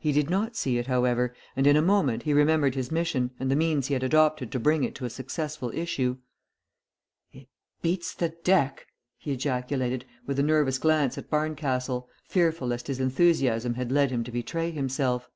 He did not see it, however, and in a moment he remembered his mission and the means he had adopted to bring it to a successful issue. "It beats the deck!" he ejaculated, with a nervous glance at Barncastle, fearful lest his enthusiasm had led him to betray himself.